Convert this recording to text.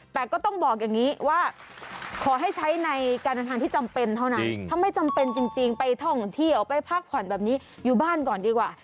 แต่ก็ต้องบอกอย่างนี้ว่าขอให้ใช้ในการเดินทางที่จำเป็นเท่านั้นถ้าไม่จำเป็นจริงไปท่องเที่ยวไปพักผ่อนแบบนี้อยู่บ้านก่อนดีกว่า